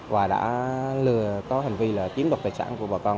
và đã lừa có hành vi là chiếm đoạt tài sản của bà con